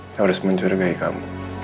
yang harus mencurigai kamu